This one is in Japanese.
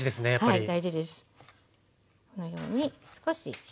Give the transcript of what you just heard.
はい。